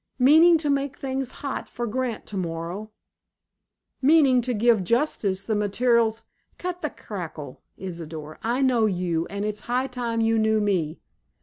"Meaning to make things hot for Grant tomorrow?" "Meaning to give justice the materials—" "Cut the cackle, Isidor. I know you, and it's high time you knew me.